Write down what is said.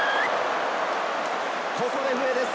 ここで笛です。